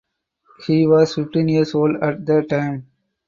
He was fifteen years old at the time.